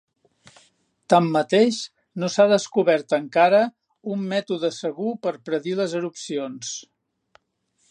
Tanmateix, no s'ha descobert encara un mètode segur per predir les erupcions.